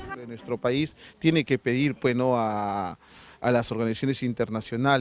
pemerintah kita harus meminta organisasi internasional